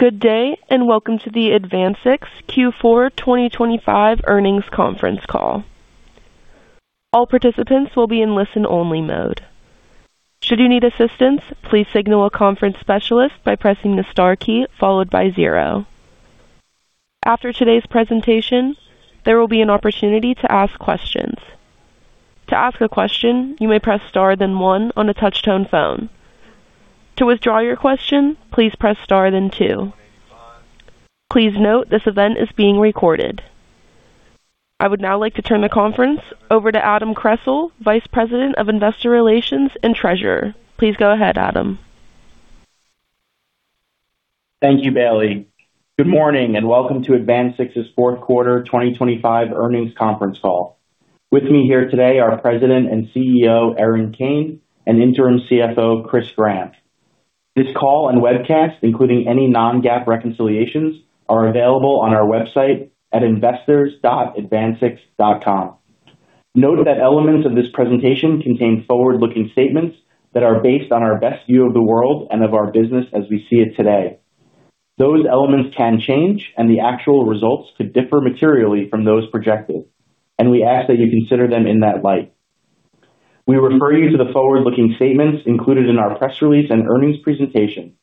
Good day, and welcome to the AdvanSix Q4 2025 earnings conference call. All participants will be in listen-only mode. Should you need assistance, please signal a conference specialist by pressing the star key followed by zero. After today's presentation, there will be an opportunity to ask questions. To ask a question, you may press star then one on a touch-tone phone. To withdraw your question, please press star then two. Please note, this event is being recorded. I would now like to turn the conference over to Adam Kressel, Vice President of Investor Relations and Treasurer. Please go ahead, Adam. Thank you, Bailey. Good morning, and welcome to AdvanSix's fourth quarter 2025 earnings conference call. With me here today are President and CEO, Erin Kane, and Interim CFO, Chris Gramm. This call and webcast, including any non-GAAP reconciliations, are available on our website at investors.advansix.com. Note that elements of this presentation contain forward-looking statements that are based on our best view of the world and of our business as we see it today. Those elements can change, and the actual results could differ materially from those projected, and we ask that you consider them in that light. We refer you to the forward-looking statements included in our press release and earnings presentation.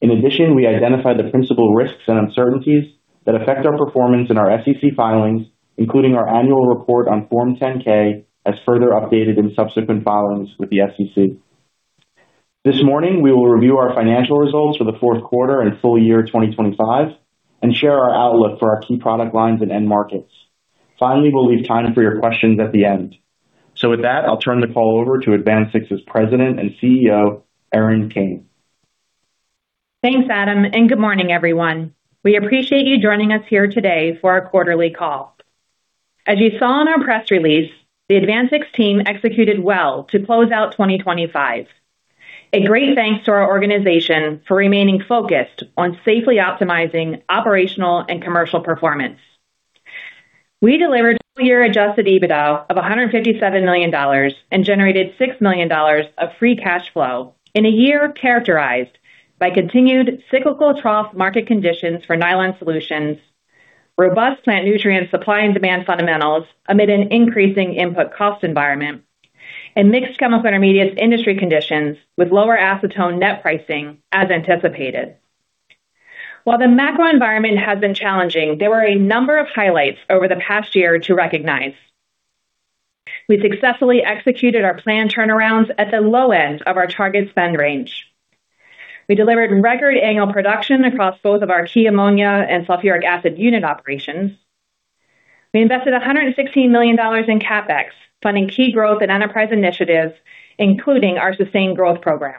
In addition, we identify the principal risks and uncertainties that affect our performance in our SEC filings, including our annual report on Form 10-K, as further updated in subsequent filings with the SEC. This morning, we will review our financial results for the fourth quarter and full year 2025 and share our outlook for our key product lines and end markets. Finally, we'll leave time for your questions at the end. So with that, I'll turn the call over to AdvanSix's President and CEO, Erin Kane. Thanks, Adam, and good morning, everyone. We appreciate you joining us here today for our quarterly call. As you saw in our press release, the AdvanSix team executed well to close out 2025. A great thanks to our organization for remaining focused on safely optimizing operational and commercial performance. We delivered full-year adjusted EBITDA of $157 million and generated $6 million of free cash flow in a year characterized by continued cyclical trough market conditions for nylon solutions, robust plant nutrient supply and demand fundamentals amid an increasing input cost environment, and mixed chemical intermediates industry conditions with lower acetone net pricing as anticipated. While the macro environment has been challenging, there were a number of highlights over the past year to recognize. We successfully executed our planned turnarounds at the low end of our target spend range. We delivered record annual production across both of our key ammonia and sulfuric acid unit operations. We invested $116 million in CapEx, funding key growth and enterprise initiatives, including our sustained growth program.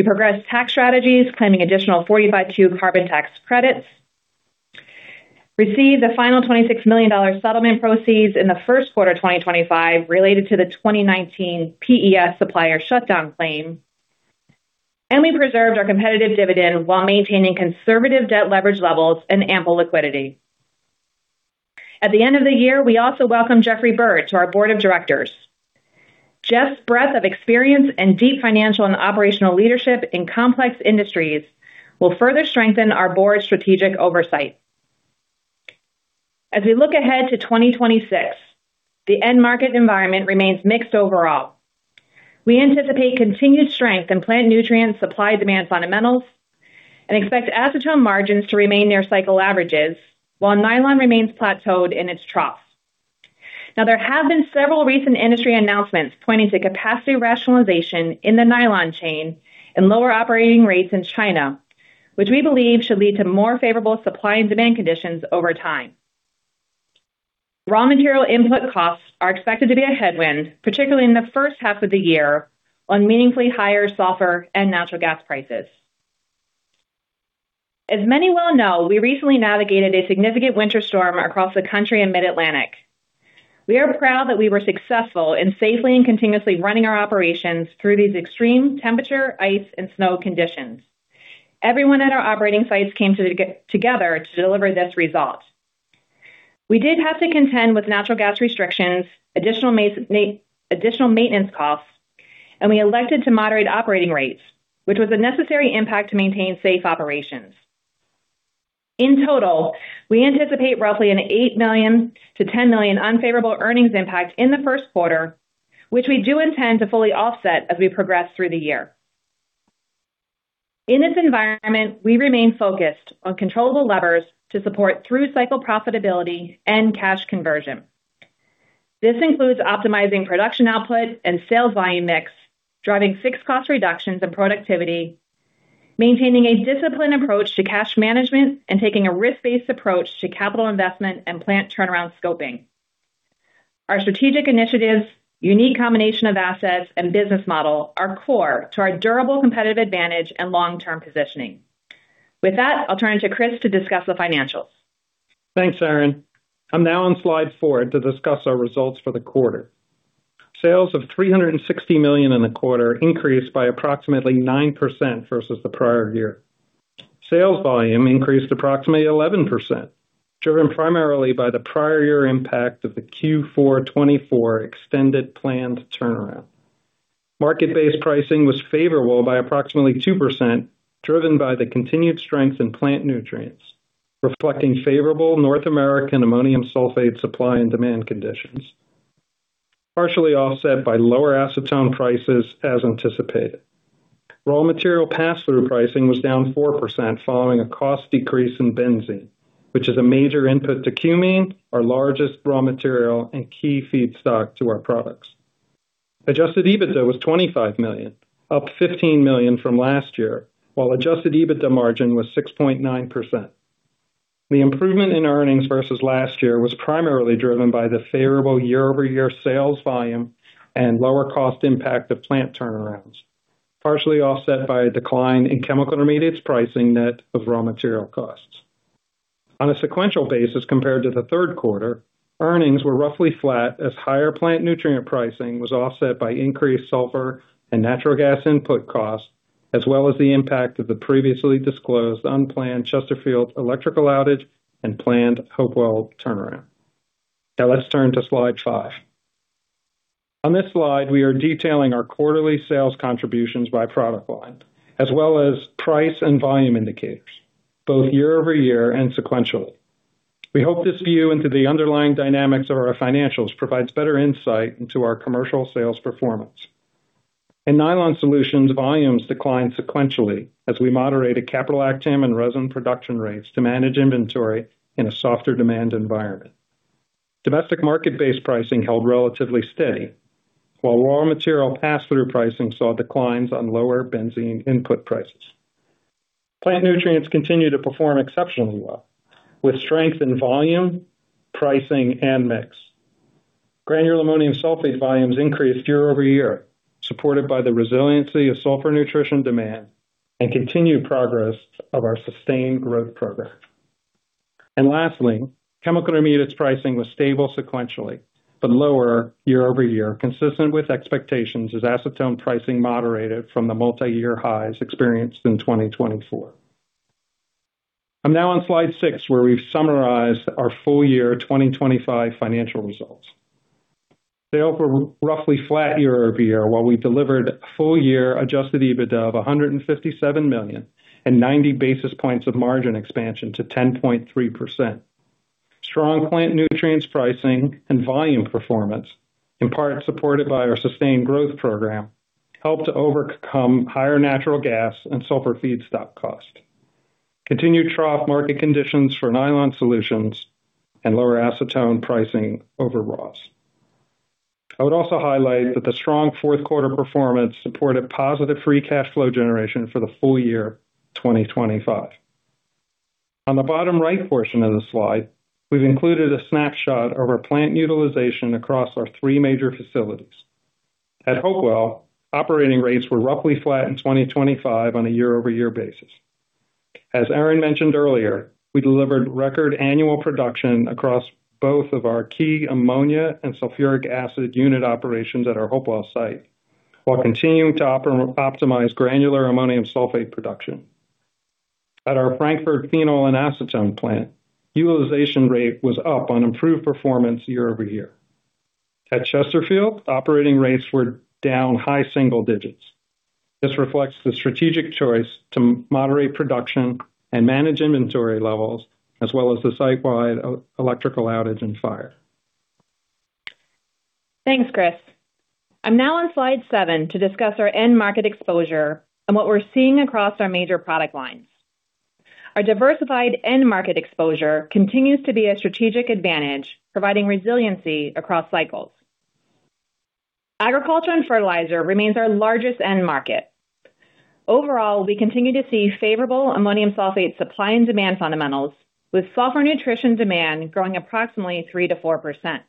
We progressed tax strategies, claiming additional 45Q carbon tax credits, received the final $26 million settlement proceeds in the first quarter of 2025 related to the 2019 PES supplier shutdown claim, and we preserved our competitive dividend while maintaining conservative debt leverage levels and ample liquidity. At the end of the year, we also welcomed Jeffrey J. Bird to our board of directors. Jeff's breadth of experience and deep financial and operational leadership in complex industries will further strengthen our board's strategic oversight. As we look ahead to 2026, the end market environment remains mixed overall. We anticipate continued strength in plant nutrients, supply-demand fundamentals, and expect acetone margins to remain near cycle averages, while nylon remains plateaued in its trough. Now, there have been several recent industry announcements pointing to capacity rationalization in the nylon chain and lower operating rates in China, which we believe should lead to more favorable supply and demand conditions over time. Raw material input costs are expected to be a headwind, particularly in the first half of the year, on meaningfully higher sulfur and natural gas prices. As many well know, we recently navigated a significant winter storm across the country and mid-Atlantic. We are proud that we were successful in safely and continuously running our operations through these extreme temperature, ice, and snow conditions. Everyone at our operating sites came together to deliver this result. We did have to contend with natural gas restrictions, additional maintenance costs, and we elected to moderate operating rates, which was a necessary impact to maintain safe operations. In total, we anticipate roughly an $8 million-$10 million unfavorable earnings impact in the first quarter, which we do intend to fully offset as we progress through the year. In this environment, we remain focused on controllable levers to support through-cycle profitability and cash conversion. This includes optimizing production output and sales volume mix, driving fixed cost reductions and productivity, maintaining a disciplined approach to cash management, and taking a risk-based approach to capital investment and plant turnaround scoping. Our strategic initiatives, unique combination of assets and business model are core to our durable competitive advantage and long-term positioning. With that, I'll turn to Chris to discuss the financials. Thanks, Erin. I'm now on slide four to discuss our results for the quarter. Sales of $360 million in the quarter increased by approximately 9% versus the prior year. Sales volume increased approximately 11%, driven primarily by the prior year impact of the Q4 2024 extended planned turnaround. Market-based pricing was favorable by approximately 2%, driven by the continued strength in plant nutrients, reflecting favorable North American ammonium sulfate supply and demand conditions, partially offset by lower acetone prices as anticipated. Raw material pass-through pricing was down 4% following a cost decrease in benzene, which is a major input to cumene, our largest raw material and key feedstock to our products. adjusted EBITDA was $25 million, up $15 million from last year, while adjusted EBITDA margin was 6.9%. The improvement in earnings versus last year was primarily driven by the favorable year-over-year sales volume and lower cost impact of plant turnarounds, partially offset by a decline in chemical intermediates pricing net of raw material costs. On a sequential basis compared to the third quarter, earnings were roughly flat as higher plant nutrient pricing was offset by increased sulfur and natural gas input costs, as well as the impact of the previously disclosed unplanned Chesterfield electrical outage and planned Hopewell turnaround. Now let's turn to slide 5. On this slide, we are detailing our quarterly sales contributions by product line, as well as price and volume indicators, both year-over-year and sequentially. We hope this view into the underlying dynamics of our financials provides better insight into our commercial sales performance. In Nylon Solutions, volumes declined sequentially as we moderated caprolactam and resin production rates to manage inventory in a softer demand environment. Domestic market-based pricing held relatively steady, while raw material pass-through pricing saw declines on lower benzene input prices. Plant nutrients continue to perform exceptionally well, with strength in volume, pricing, and mix. Granular ammonium sulfate volumes increased year-over-year, supported by the resiliency of sulfur nutrition demand and continued progress of our sustained growth program. And lastly, chemical intermediates pricing was stable sequentially, but lower year-over-year, consistent with expectations as acetone pricing moderated from the multi-year highs experienced in 2024. I'm now on slide 6, where we've summarized our full year 2025 financial results. Sales were roughly flat year-over-year, while we delivered full year adjusted EBITDA of $157 million and 90 basis points of margin expansion to 10.3%. Strong plant nutrients pricing and volume performance, in part supported by our sustained growth program, helped to overcome higher natural gas and sulfur feedstock costs, continued trough market conditions for nylon solutions, and lower acetone pricing over raw. I would also highlight that the strong fourth quarter performance supported positive free cash flow generation for the full year 2025. On the bottom right portion of the slide, we've included a snapshot of our plant utilization across our three major facilities. At Hopewell, operating rates were roughly flat in 2025 on a year-over-year basis. As Erin mentioned earlier, we delivered record annual production across both of our key ammonia and sulfuric acid unit operations at our Hopewell site, while continuing to optimize granular ammonium sulfate production. At our Frankford phenol and acetone plant, utilization rate was up on improved performance year-over-year. At Chesterfield, operating rates were down high single digits. This reflects the strategic choice to moderate production and manage inventory levels, as well as the site-wide electrical outage and fire. Thanks, Chris. I'm now on slide 7 to discuss our end market exposure and what we're seeing across our major product lines. Our diversified end market exposure continues to be a strategic advantage, providing resiliency across cycles. Agriculture and fertilizer remains our largest end market. Overall, we continue to see favorable ammonium sulfate supply and demand fundamentals, with sulfur nutrition demand growing approximately 3%-4%.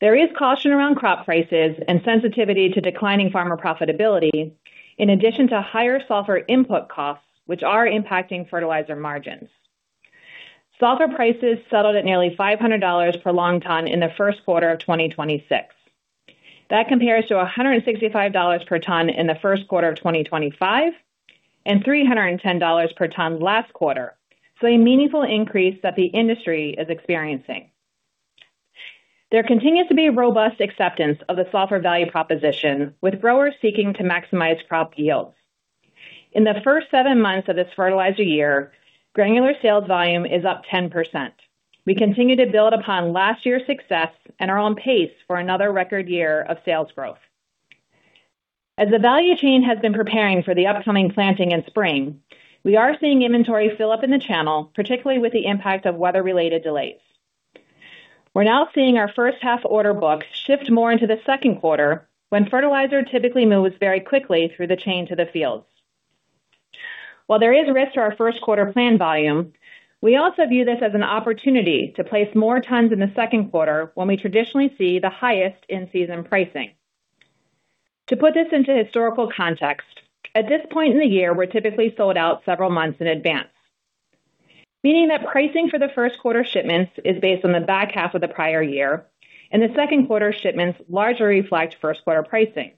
There is caution around crop prices and sensitivity to declining farmer profitability, in addition to higher sulfur input costs, which are impacting fertilizer margins. Sulfur prices settled at nearly $500 per long ton in the first quarter of 2026. That compares to $165 per ton in the first quarter of 2025, and $310 per ton last quarter, so a meaningful increase that the industry is experiencing. There continues to be a robust acceptance of the sulfur value proposition, with growers seeking to maximize crop yields. In the first seven months of this fertilizer year, granular sales volume is up 10%. We continue to build upon last year's success and are on pace for another record year of sales growth. As the value chain has been preparing for the upcoming planting in spring, we are seeing inventory fill up in the channel, particularly with the impact of weather-related delays. We're now seeing our first half order books shift more into the second quarter, when fertilizer typically moves very quickly through the chain to the fields. While there is risk to our first quarter plan volume, we also view this as an opportunity to place more tons in the second quarter when we traditionally see the highest in-season pricing. To put this into historical context, at this point in the year, we're typically sold out several months in advance, meaning that pricing for the first quarter shipments is based on the back half of the prior year, and the second quarter shipments largely reflect first quarter pricing.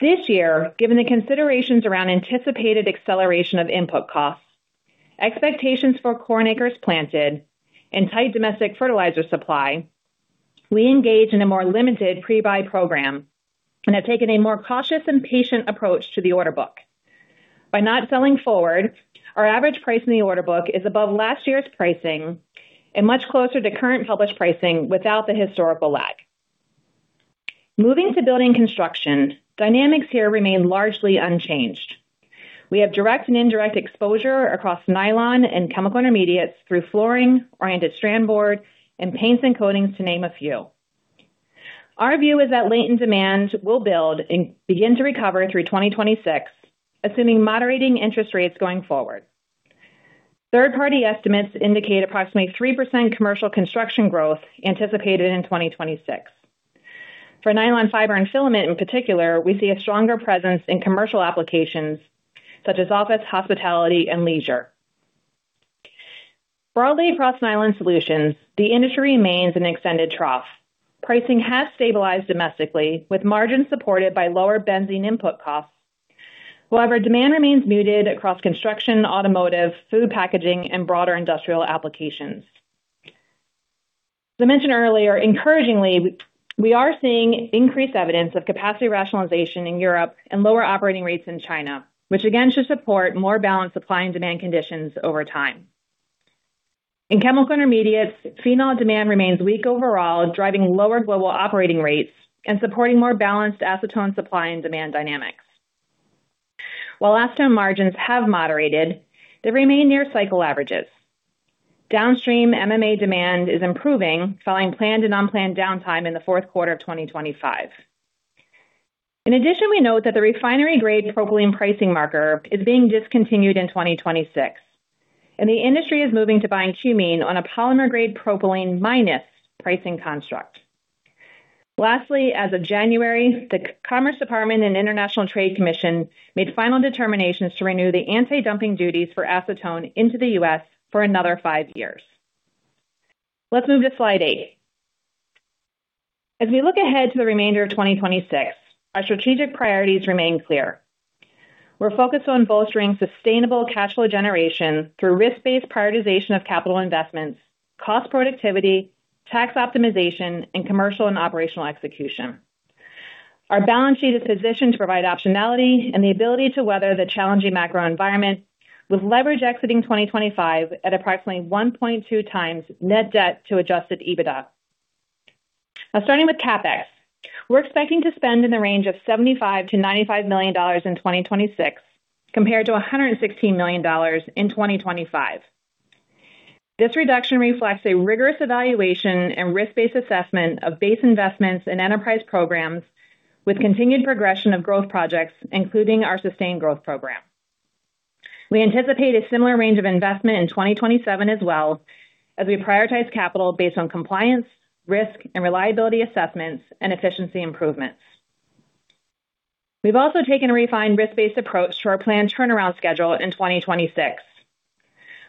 This year, given the considerations around anticipated acceleration of input costs, expectations for corn acres planted, and tight domestic fertilizer supply, we engaged in a more limited pre-buy program and have taken a more cautious and patient approach to the order book. By not selling forward, our average price in the order book is above last year's pricing and much closer to current published pricing without the historical lag. Moving to building construction, dynamics here remain largely unchanged. We have direct and indirect exposure across nylon and chemical intermediates through flooring, oriented strand board, and paints and coatings, to name a few. Our view is that latent demand will build and begin to recover through 2026, assuming moderating interest rates going forward. Third-party estimates indicate approximately 3% commercial construction growth anticipated in 2026. For nylon fiber and filament in particular, we see a stronger presence in commercial applications such as office, hospitality, and leisure. Broadly across nylon solutions, the industry remains an extended trough. Pricing has stabilized domestically, with margins supported by lower benzene input costs. However, demand remains muted across construction, automotive, food packaging, and broader industrial applications. As I mentioned earlier, encouragingly, we are seeing increased evidence of capacity rationalization in Europe and lower operating rates in China, which again should support more balanced supply and demand conditions over time. In chemical intermediates, phenol demand remains weak overall, driving lower global operating rates and supporting more balanced acetone supply and demand dynamics. While acetone margins have moderated, they remain near cycle averages. Downstream MMA demand is improving, following planned and unplanned downtime in the fourth quarter of 2025. In addition, we note that the refinery-grade propylene pricing marker is being discontinued in 2026, and the industry is moving to buying cumene on a polymer-grade propylene minus pricing construct. Lastly, as of January, the Commerce Department and International Trade Commission made final determinations to renew the anti-dumping duties for acetone into the U.S. for another five years. Let's move to slide 8. As we look ahead to the remainder of 2026, our strategic priorities remain clear. We're focused on bolstering sustainable cash flow generation through risk-based prioritization of capital investments, cost productivity, tax optimization, and commercial and operational execution. Our balance sheet is positioned to provide optionality and the ability to weather the challenging macro environment, with leverage exiting 2025 at approximately 1.2 times net debt to adjusted EBITDA. Now, starting with CapEx, we're expecting to spend in the range of $75 million-$95 million in 2026, compared to $116 million in 2025. This reduction reflects a rigorous evaluation and risk-based assessment of base investments and enterprise programs with continued progression of growth projects, including our sustained growth program. We anticipate a similar range of investment in 2027 as well, as we prioritize capital based on compliance, risk, and reliability assessments and efficiency improvements. We've also taken a refined risk-based approach to our planned turnaround schedule in 2026.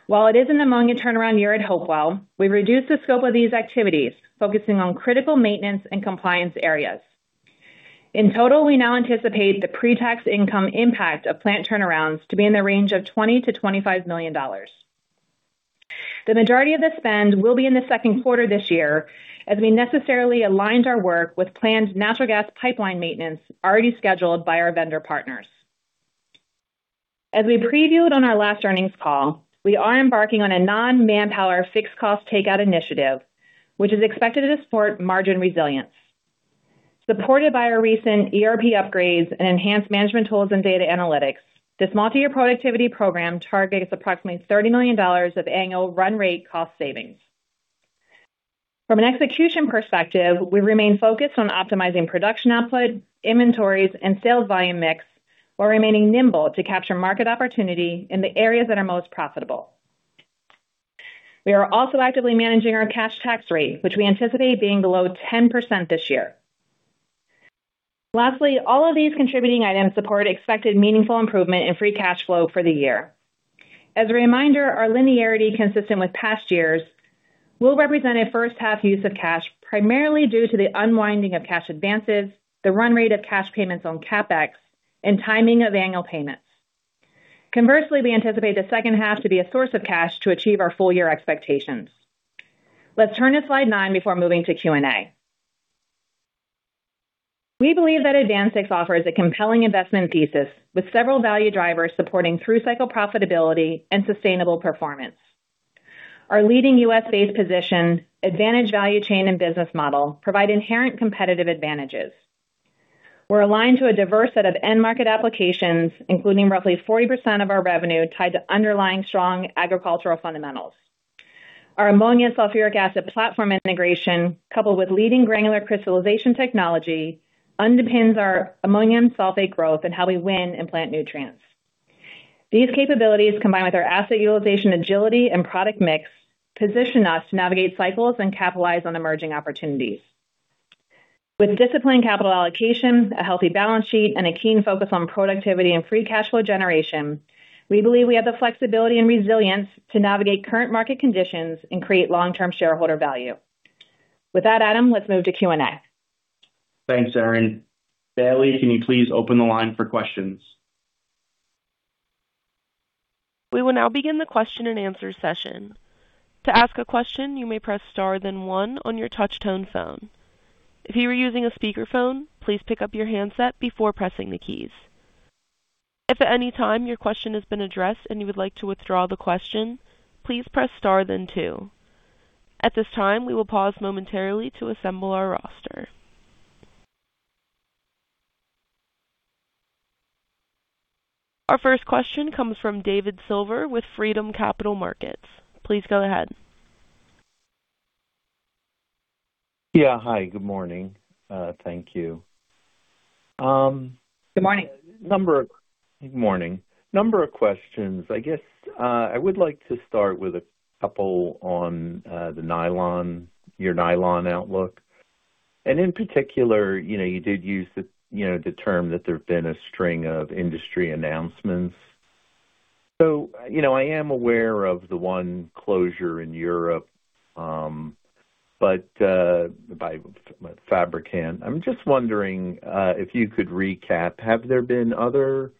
While it is an ammonia turnaround year at Hopewell, we've reduced the scope of these activities, focusing on critical maintenance and compliance areas. In total, we now anticipate the pre-tax income impact of plant turnarounds to be in the range of $20 million-$25 million. The majority of this spend will be in the second quarter this year, as we necessarily aligned our work with planned natural gas pipeline maintenance already scheduled by our vendor partners. As we previewed on our last earnings call, we are embarking on a non-manpower fixed cost takeout initiative, which is expected to support margin resilience. Supported by our recent ERP upgrades and enhanced management tools and data analytics, this multi-year productivity program targets approximately $30 million of annual run rate cost savings. From an execution perspective, we remain focused on optimizing production output, inventories, and sales volume mix, while remaining nimble to capture market opportunity in the areas that are most profitable. We are also actively managing our cash tax rate, which we anticipate being below 10% this year. Lastly, all of these contributing items support expected meaningful improvement in free cash flow for the year. As a reminder, our linearity consistent with past years will represent a first half use of cash, primarily due to the unwinding of cash advances, the run rate of cash payments on CapEx, and timing of annual payments. Conversely, we anticipate the second half to be a source of cash to achieve our full year expectations. Let's turn to slide 9 before moving to Q&A. We believe that AdvanSix offers a compelling investment thesis with several value drivers supporting through-cycle profitability and sustainable performance. Our leading U.S.-based position, advantage value chain and business model provide inherent competitive advantages. We're aligned to a diverse set of end-market applications, including roughly 40% of our revenue tied to underlying strong agricultural fundamentals. Our ammonia and sulfuric acid platform integration, coupled with leading granular crystallization technology, underpins our ammonium sulfate growth and how we win in plant nutrients. These capabilities, combined with our asset utilization agility and product mix, position us to navigate cycles and capitalize on emerging opportunities. With disciplined capital allocation, a healthy balance sheet, and a keen focus on productivity and free cash flow generation, we believe we have the flexibility and resilience to navigate current market conditions and create long-term shareholder value. With that, Adam, let's move to Q&A. Thanks, Erin. Bailey, can you please open the line for questions? We will now begin the question-and-answer session. To ask a question, you may press star then one on your touchtone phone. If you are using a speakerphone, please pick up your handset before pressing the keys. If at any time your question has been addressed and you would like to withdraw the question, please press star then two. At this time, we will pause momentarily to assemble our roster. Our first question comes from David Silver with Freedom Capital Markets. Please go ahead. Yeah. Hi, good morning. Thank you. Good morning. Good morning. Number of questions. I guess, I would like to start with a couple on, the nylon, your nylon outlook, and in particular, you know, you did use the, you know, the term that there's been a string of industry announcements. So, you know, I am aware of the one closure in Europe, but, by Fibrant. I'm just wondering, if you could recap, have there been other,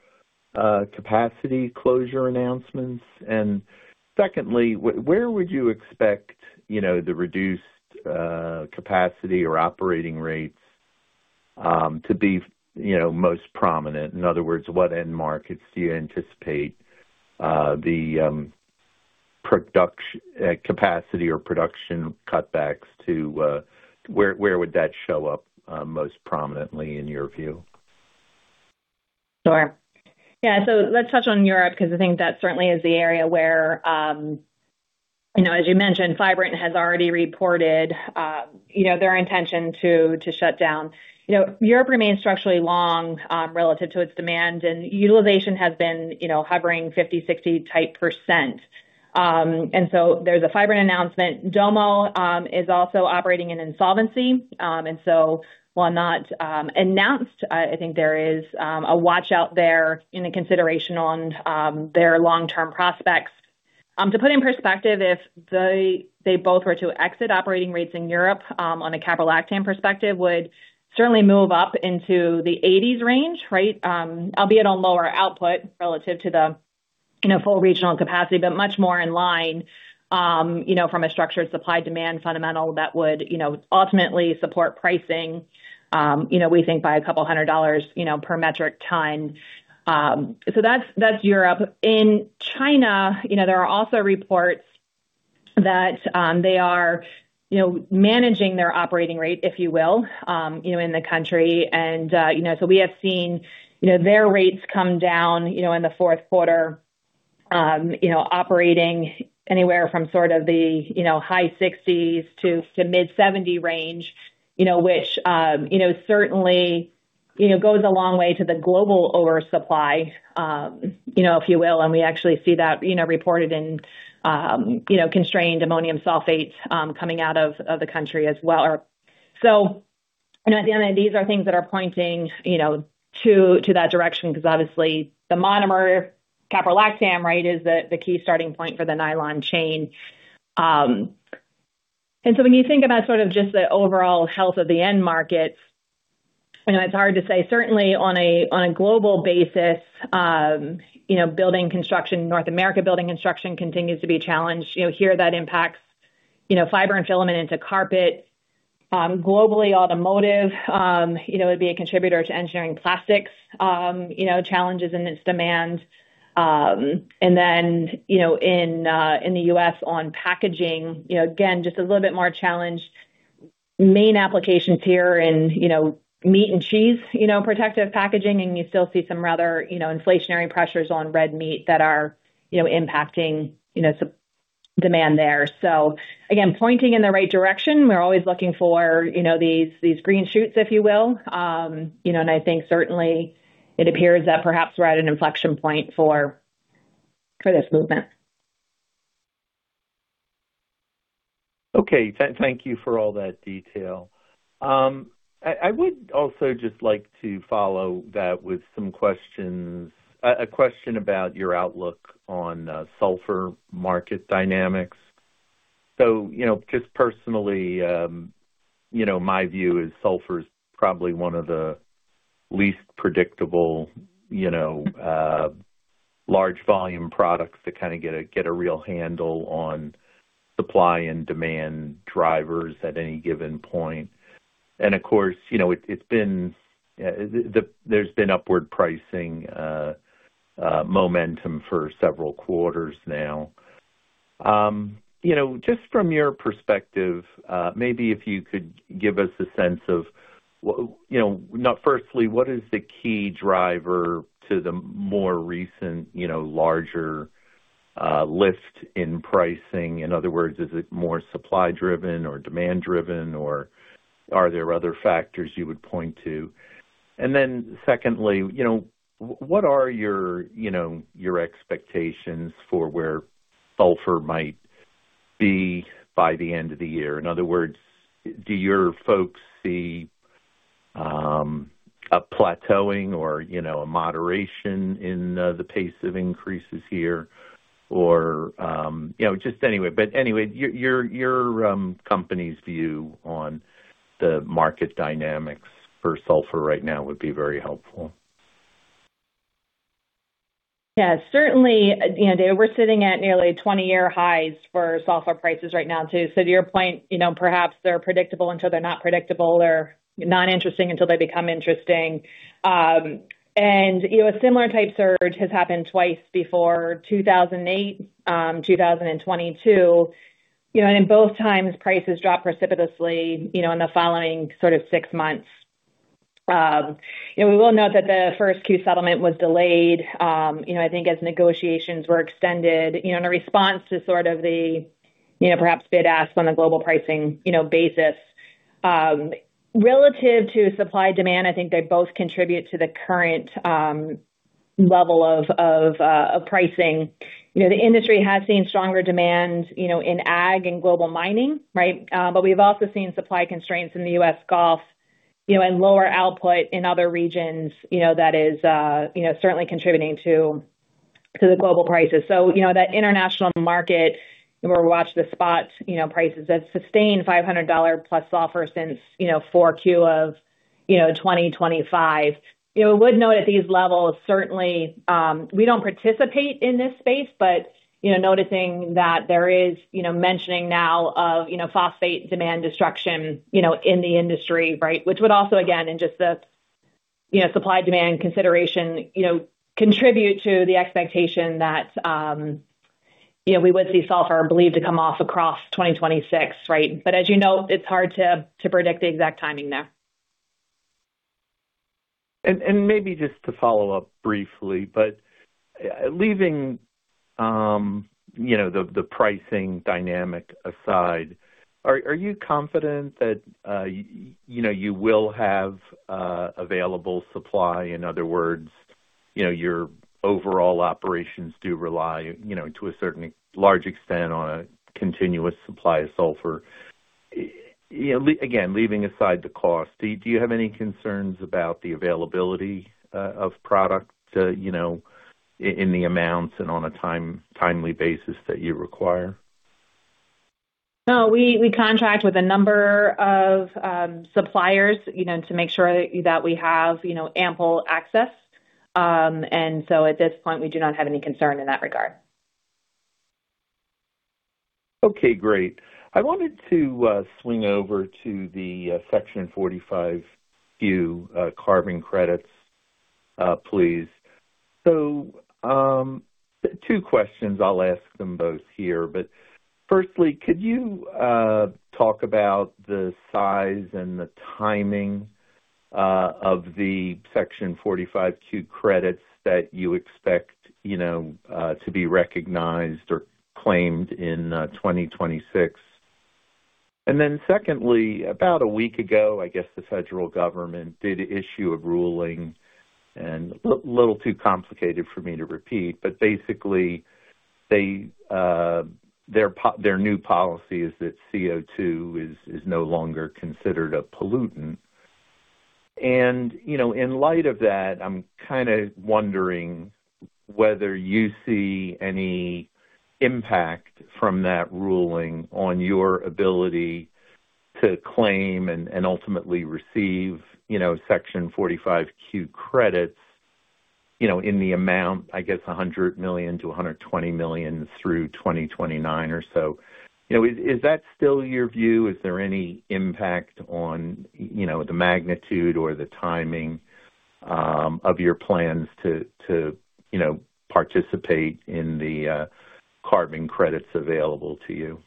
capacity closure announcements? And secondly, where would you expect, you know, the reduced, capacity or operating rates, to be, you know, most prominent? In other words, what end markets do you anticipate, the, production, capacity or production cutbacks to, where, where would that show up, most prominently in your view? Sure. Yeah, so let's touch on Europe, because I think that certainly is the area where as you mentioned, Fibrant has already reported their intention to shut down. You know, Europe remains structurally long, relative to its demand, and utilization has been hovering 50%-60%. And so there's a Fibrant announcement. DOMO is also operating in insolvency, and so, while not announced, I think there is a watch out there in a consideration on their long-term prospects. To put in perspective, if they both were to exit operating rates in Europe, on a caprolactam perspective, would certainly move up into the 80s range, right? Albeit on lower output relative to the full regional capacity, but much more in line from a structured supply-demand fundamental that would ultimately support pricing, we think by $200 per metric ton. So that's Europe. In China, there are also reports that they are managing their operating rate, if you will, in the country. You know, so we have seen their rates come down in the fourth quarter operating anywhere from sort of high 60s-mid 70s range which certainly goes a long way to the global oversupply, you know, if you will. And we actually see that reported in constrained ammonium sulfate, coming out of the country as well. So, and at the end, these are things that are pointing, you know, to that direction, because obviously the monomer caprolactam, right, is the key starting point for the nylon chain. And so when you think about sort of just the overall health of the end markets, I know it's hard to say certainly on a global basis, building construction, North America, building construction continues to be a challenge. You know, here that impacts fiber and filament into carpet. Globally, automotive, would be a contributor to engineering plastics, you know, challenges in its demand. And then, you know, in the US on packaging, again, just a little bit more challenged. Main applications here in meat and cheese, you know, protective packaging, and you still see some rather inflationary pressures on red meat that are impacting supply-demand there. So again, pointing in the right direction, we're always looking for these green shoots, if you will. And I think certainly it appears that perhaps we're at an inflection point for this movement. Okay. Thank you for all that detail. I would also just like to follow that with some questions. A question about your outlook on sulfur market dynamics. So, you know, just personally, you know, my view is sulfur is probably one of the least predictable, you know, large volume products to kind of get a real handle on supply and demand drivers at any given point. And of course, you know, it's been, there's been upward pricing momentum for several quarters now. You know, just from your perspective, maybe if you could give us a sense of, you know, now firstly, what is the key driver to the more recent, you know, larger lift in pricing? In other words, is it more supply driven or demand driven, or are there other factors you would point to? And then secondly, what are your expectations for where sulfur might be by the end of the year? In other words, do your folks see a plateauing or, you know, a moderation in the pace of increases here or just anyway. But anyway, your company's view on the market dynamics for sulfur right now would be very helpful. Yeah, certainly, you know, Dave, we're sitting at nearly 20-year highs for sulfur prices right now, too. So to your point, you know, perhaps they're predictable until they're not predictable, or not interesting until they become interesting. And, you know, a similar type surge has happened twice before, 2008, 2022. You know, and in both times, prices dropped precipitously, you know, in the following sort of six months. You know, we will note that the 1Q settlement was delayed, you know, I think as negotiations were extended, you know, in a response to sort of the, you know, perhaps bid asks on a global pricing, you know, basis. Relative to supply-demand, I think they both contribute to the current level of pricing. You know, the industry has seen stronger demand, you know, in ag and global mining, right? But we've also seen supply constraints in the U.S. Gulf, you know, and lower output in other regions, you know, that is, you know, certainly contributing to the global prices. So, you know, that international market, where we watch the spot, you know, prices that sustained $500+ sulfur since, you know, 4Q of 2025. You know, I would note at these levels, certainly, we don't participate in this space, but, you know, noticing that there is mentioning now of phosphate demand destruction in the industry, right? Which would also, again, in just the supply-demand consideration, you know, contribute to the expectation that we would see sulfur believed to come off across 2026, right? But as you know, it's hard to predict the exact timing there. Maybe just to follow up briefly, but leaving you know, the pricing dynamic aside, are you confident that you know, you will have available supply? In other words, you know, your overall operations do rely, you know, to a certain large extent, on a continuous supply of sulfur. You know, again, leaving aside the cost, do you have any concerns about the availability of product, you know, in the amounts and on a timely basis that you require? No, we contract with a number of suppliers, you know, to make sure that we have, you know, ample access. And so at this point, we do not have any concern in that regard. Okay, great. I wanted to swing over to the Section 45Q carbon credits, please. So, two questions. I'll ask them both here, but firstly, could you talk about the size and the timing of the Section 45Q credits that you expect, you know, to be recognized or claimed in 2026? And then secondly, about a week ago, I guess the federal government did issue a ruling and a little too complicated for me to repeat. But basically, their new policy is that CO2 is no longer considered a pollutant. You know, in light of that, I'm kind of wondering whether you see any impact from that ruling on your ability to claim and, and ultimately receive, you know, Section 45Q credits, you know, in the amount, I guess, $100 million-$120 million through 2029 or so. You know, is, is that still your view? Is there any impact on, you know, the magnitude or the timing, of your plans to, you know, participate in the carbon credits available to you?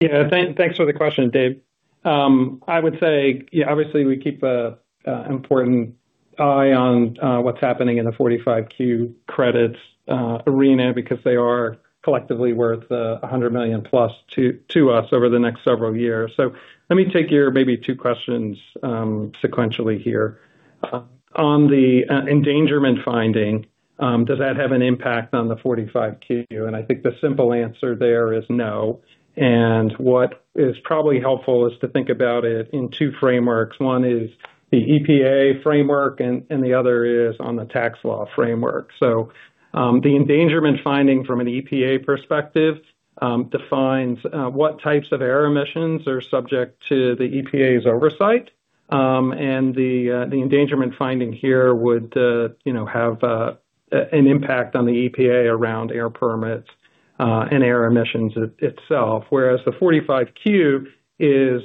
Yeah. Thanks for the question, Dave. I would say, yeah, obviously we keep a important eye on what's happening in the 45Q credits arena, because they are collectively worth $100 million plus to us over the next several years. So let me take your maybe two questions sequentially here. On the endangerment finding, does that have an impact on the 45Q? I think the simple answer there is no. What is probably helpful is to think about it in two frameworks. One is the EPA framework, and the other is on the tax law framework. So, the endangerment finding from an EPA perspective defines what types of air emissions are subject to the EPA's oversight. The endangerment finding here would, you know, have an impact on the EPA around air permits and air emissions itself, whereas the 45Q is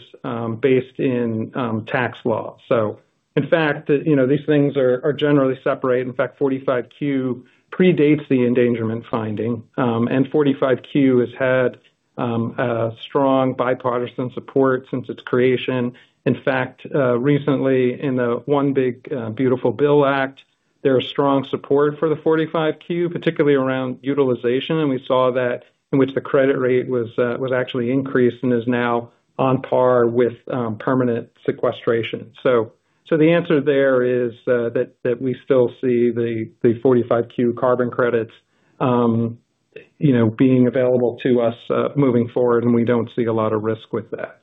based in tax law. So in fact, you know, these things are generally separate. In fact, 45Q predates the endangerment finding, and 45Q has had a strong bipartisan support since its creation. In fact, recently in the One Big Beautiful Bill Act, there was strong support for the 45Q, particularly around utilization, and we saw that in which the credit rate was actually increased and is now on par with permanent sequestration. So the answer there is that we still see the 45Q carbon credits being available to us moving forward, and we don't see a lot of risk with that.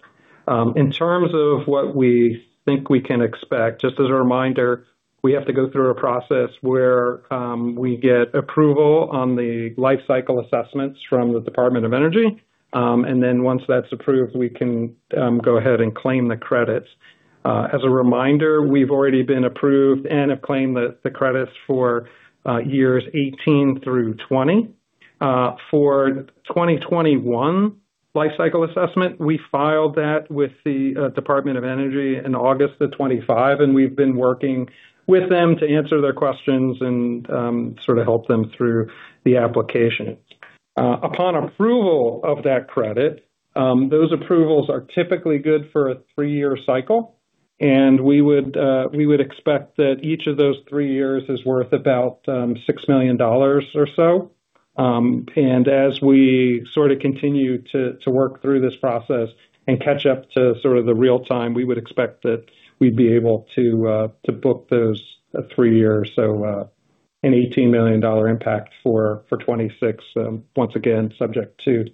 In terms of what we think we can expect, just as a reminder, we have to go through a process where we get approval on the life cycle assessments from the Department of Energy, and then once that's approved, we can go ahead and claim the credits. As a reminder, we've already been approved and have claimed the credits for years 18 through 20. For 2021 life cycle assessment, we filed that with the Department of Energy in August 25th, and we've been working with them to answer their questions and sort of help them through the application. Upon approval of that credit, those approvals are typically good for a three-year cycle, and we would expect that each of those three years is worth about $6 million or so. As we sort of continue to work through this process and catch up to sort of the real time, we would expect that we'd be able to book those three years. So, an $18 million impact for 2026, once again, subject to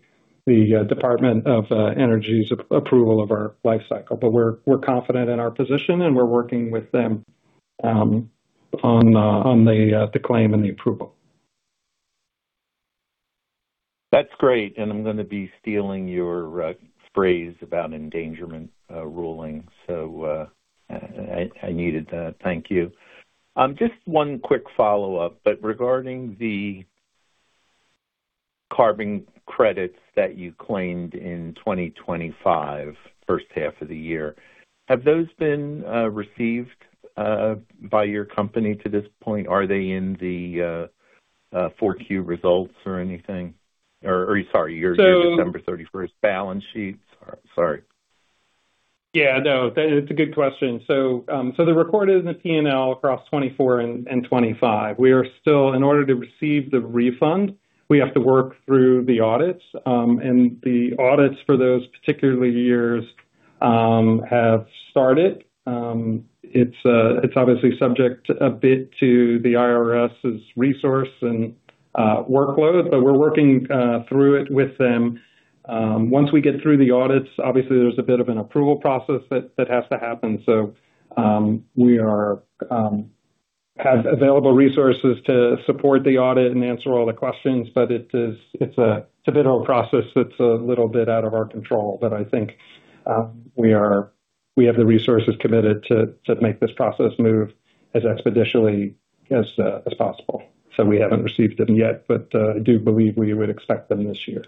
the Department of Energy's approval of our life cycle. But we're confident in our position, and we're working with them on the claim and the approval. That's great, and I'm gonna be stealing your phrase about endangerment ruling, so I needed that. Thank you. Just one quick follow-up, but regarding the carbon credits that you claimed in 2025, first half of the year, have those been received by your company to this point? Are they in the 4Q results or anything? Or your December 31st balance sheets? Sorry. Yeah, no, that's a good question. So, they're recorded in the P&L across 2024 and 2025. We are still in order to receive the refund, we have to work through the audits, and the audits for those particular years have started. It's obviously subject a bit to the IRS's resource and workload, but we're working through it with them. Once we get through the audits, obviously there's a bit of an approval process that has to happen. So, we have available resources to support the audit and answer all the questions, but it is, it's a bit of a process that's a little bit out of our control. But I think we have the resources committed to make this process move as expeditiously as possible. So we haven't received them yet, but I do believe we would expect them this year.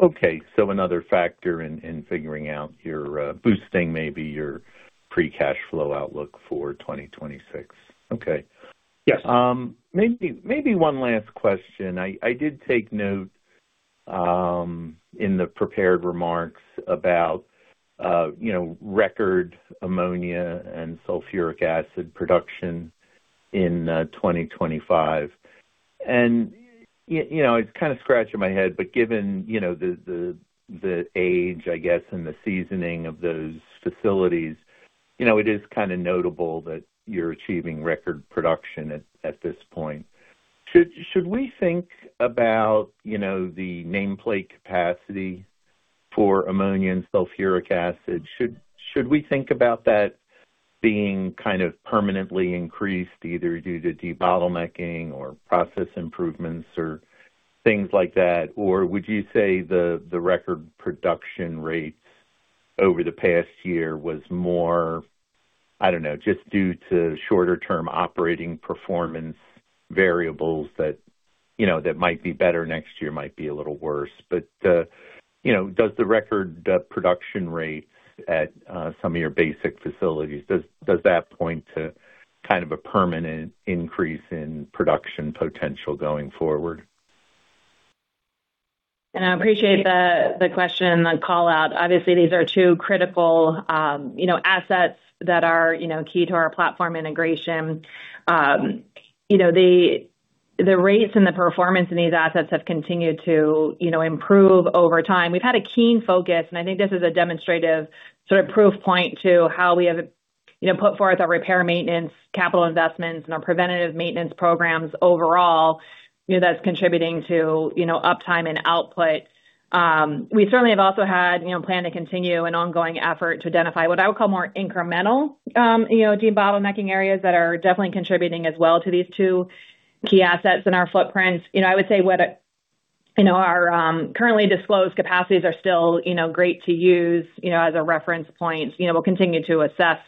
Okay. So another factor in figuring out your boosting, maybe your free cash flow outlook for 2026. Okay. Yes. Maybe one last question. I did take note in the prepared remarks about, you know, record ammonia and sulfuric acid production in 2025. And you know, it's kind of scratching my head, but given, you know, the age, I guess, and the seasoning of those facilities, you know, it is kind of notable that you're achieving record production at this point. Should we think about, you know, the nameplate capacity for ammonia and sulfuric acid? Should we think about that being kind of permanently increased, either due to debottlenecking or process improvements or things like that? Or would you say the record production rates over the past year was more, I don't know, just due to shorter-term operating performance variables that, you know, that might be better next year, might be a little worse. You know, does the record production rate at some of your basic facilities, does that point to kind of a permanent increase in production potential going forward? I appreciate the question, the call-out. Obviously, these are two critical, you know, assets that are, you know, key to our platform integration. You know, the rates and the performance in these assets have continued to, you know, improve over time. We've had a keen focus, and I think this is a demonstrative sort of proof point to how we have, you know, put forth our repair, maintenance, capital investments, and our preventative maintenance programs overall. You know, that's contributing to, you know, uptime and output. We certainly have also had, you know, plan to continue an ongoing effort to identify what I would call more incremental, you know, debottlenecking areas that are definitely contributing as well to these two key assets in our footprint. You know, I would say whether, you know, our currently disclosed capacities are still, you know, great to use, you know, as a reference point. You know, we'll continue to assess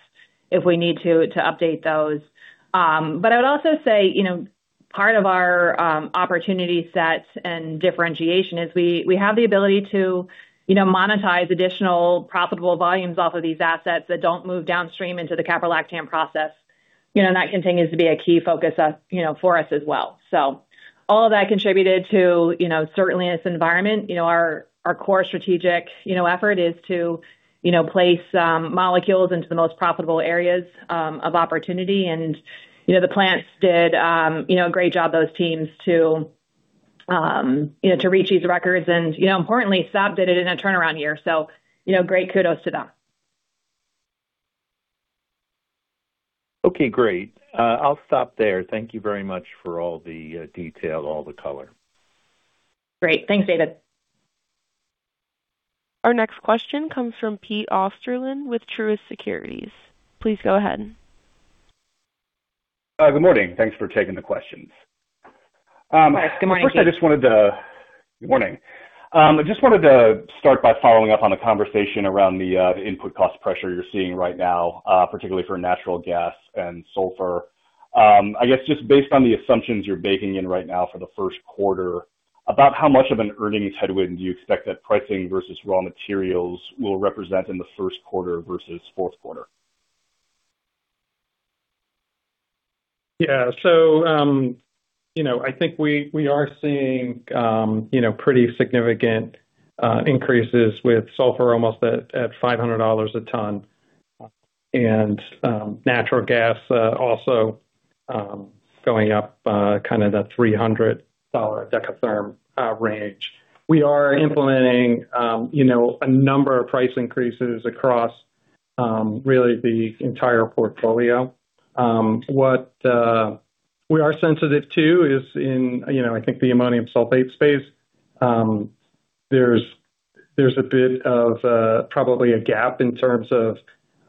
if we need to update those. But I would also say, you know, part of our opportunity sets and differentiation is we have the ability to, you know, monetize additional profitable volumes off of these assets that don't move downstream into the caprolactam process. You know, and that continues to be a key focus, you know, for us as well. So all of that contributed to, you know, certainly in this environment, you know, our core strategic, you know, effort is to, you know, place molecules into the most profitable areas of opportunity. And, you know, the plants did, you know, a great job, those teams, to, you know, to reach these records. And, you know, importantly, Sab did it in a turnaround year, so, you know, great kudos to them. Okay, great. I'll stop there. Thank you very much for all the detail, all the color. Great. Thanks, David. Our next question comes from Pete Osterland with Truist Securities. Please go ahead. Good morning. Thanks for taking the questions. Good morning, Pete. Good morning. I just wanted to start by following up on the conversation around the input cost pressure you're seeing right now, particularly for natural gas and sulfur. I guess, just based on the assumptions you're baking in right now for the first quarter, about how much of an earnings headwind do you expect that pricing versus raw materials will represent in the first quarter versus fourth quarter? Yeah. So, you know, I think we are seeing, you know, pretty significant increases with sulfur almost at $500 a ton, and natural gas also going up kind of the $300 per decatherm range. We are implementing, you know, a number of price increases across really the entire portfolio. What we are sensitive to is in, you know, I think the ammonium sulfate space. There's a bit of probably a gap in terms of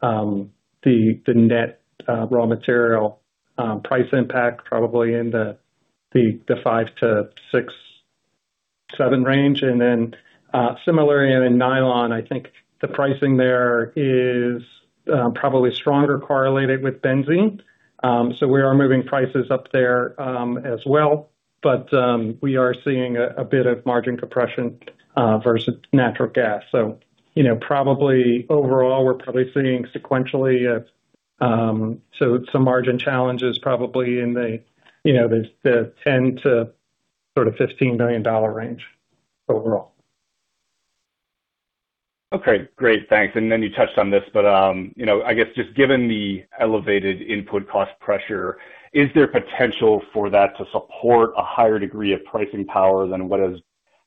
the net raw material price impact, probably in the 5- to 6-7 range. And then similarly in nylon, I think the pricing there is probably stronger correlated with benzene. So we are moving prices up there, as well, but we are seeing a bit of margin compression versus natural gas. You know, probably overall, we're probably seeing sequentially some margin challenges probably in the, you know, the $10 to sort of $15 million range overall. Okay, great. Thanks. And then you touched on this, but, you know, I guess just given the elevated input cost pressure, is there potential for that to support a higher degree of pricing power than what has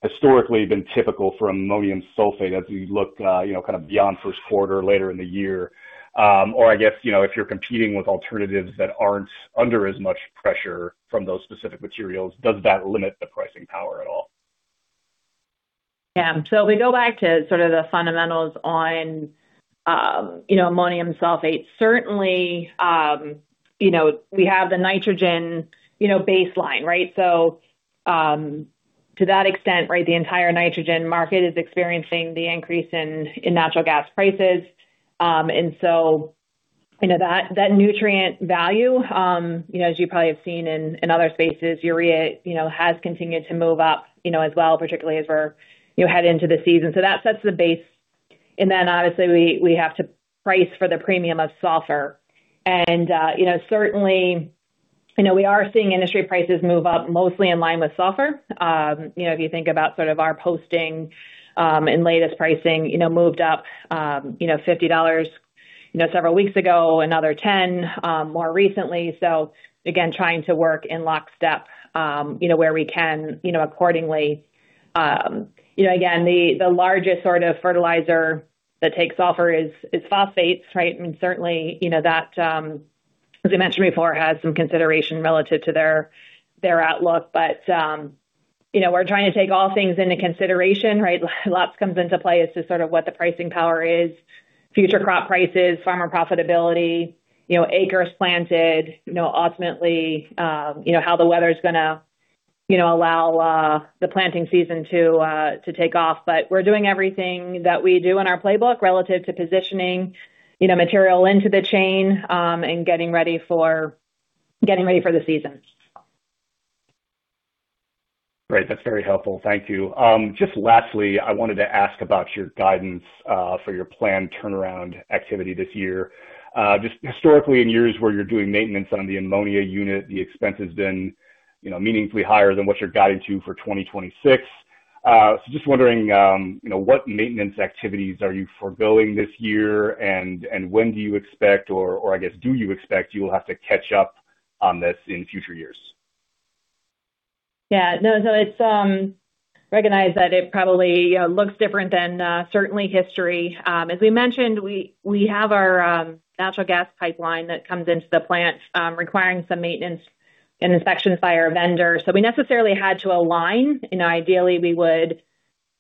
historically been typical for ammonium sulfate as we look, you know, kind of beyond first quarter later in the year? Or I guess, you know, if you're competing with alternatives that aren't under as much pressure from those specific materials, does that limit the pricing power at all? Yeah. So if we go back to sort of the fundamentals on, you know, ammonium sulfate, certainly, you know, we have the nitrogen, you know, baseline, right? So, to that extent, right, the entire nitrogen market is experiencing the increase in, in natural gas prices. And so, you know, that, that nutrient value, you know, as you probably have seen in, in other spaces, urea, you know, has continued to move up, you know, as well, particularly as we're, you know, head into the season. So that sets the base. And then obviously, we, we have to price for the premium of sulfur. And, you know, certainly, you know, we are seeing industry prices move up mostly in line with sulfur. You know, if you think about sort of our posting and latest pricing, you know, moved up, you know, $50 several weeks ago, another $10 more recently. So again, trying to work in lockstep, you know, where we can, you know, accordingly. You know, again, the largest sort of fertilizer that takes sulfur is phosphates, right? And certainly, you know, that, as I mentioned before, has some consideration relative to their outlook. But, you know, we're trying to take all things into consideration, right? Lots comes into play as to sort of what the pricing power is, future crop prices, farmer profitability, you know, acres planted, you know, ultimately, you know, how the weather's gonna allow the planting season to take off. But we're doing everything that we do in our playbook relative to positioning, you know, material into the chain, and getting ready for the season. Great. That's very helpful. Thank you. Just lastly, I wanted to ask about your guidance for your planned turnaround activity this year. Just historically, in years where you're doing maintenance on the ammonia unit, the expense has been, you know, meaningfully higher than what you're guiding to for 2026. So just wondering, you know, what maintenance activities are you forgoing this year, and when do you expect or I guess, do you expect you will have to catch up on this in future years? Yeah. No, no, it's recognize that it probably looks different than certainly history. As we mentioned, we, we have our natural gas pipeline that comes into the plant, requiring some maintenance and inspections by our vendor. So we necessarily had to align, you know, ideally, we would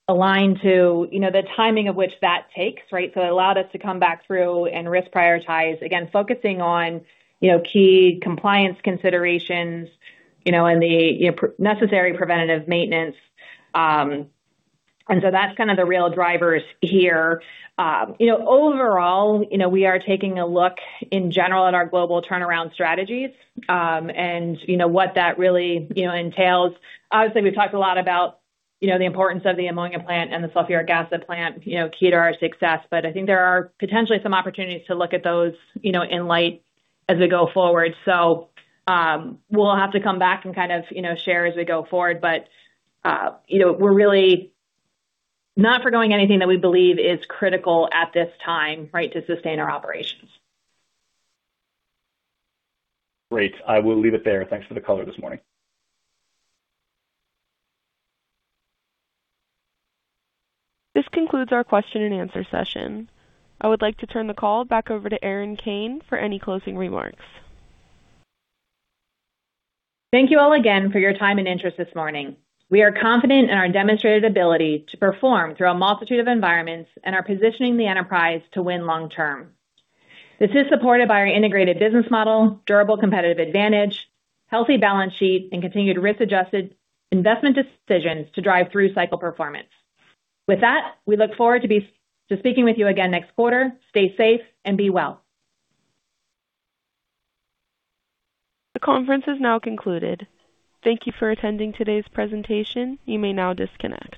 align to, you know, the timing of which that takes, right? So it allowed us to come back through and risk prioritize, again, focusing on, you know, key compliance considerations, you know, and the necessary preventative maintenance. And so that's kind of the real drivers here. You know, overall, you know, we are taking a look in general at our global turnaround strategies, and you know, what that really, you know, entails. Obviously, we've talked a lot about, you know, the importance of the ammonia plant and the sulfuric acid plant, you know, key to our success, but I think there are potentially some opportunities to look at those, you know, in light as we go forward. So, we'll have to come back and kind of, you know, share as we go forward. But, you know, we're really not forgoing anything that we believe is critical at this time, right, to sustain our operations. Great. I will leave it there. Thanks for the color this morning. This concludes our question-and-answer session. I would like to turn the call back over to Erin Kane for any closing remarks. Thank you all again for your time and interest this morning. We are confident in our demonstrated ability to perform through a multitude of environments and are positioning the enterprise to win long term. This is supported by our integrated business model, durable competitive advantage, healthy balance sheet, and continued risk-adjusted investment decisions to drive through cycle performance. With that, we look forward to speaking with you again next quarter. Stay safe and be well. The conference is now concluded. Thank you for attending today's presentation. You may now disconnect.